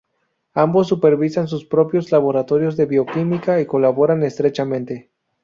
Ambos supervisaron sus propios laboratorios de bioquímica y colaboraron estrechamente.